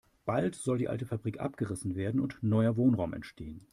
Bald soll die alte Fabrik abgerissen werden und neuer Wohnraum entstehen.